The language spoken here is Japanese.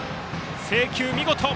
制球、見事！